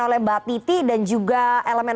oleh mbak titi dan juga elemen